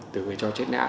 từ người chết não